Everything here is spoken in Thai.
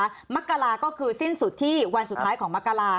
ถูกไหมคะมักกะลาก็คือสิ้นสุดที่วันสุดท้ายของมักกะลา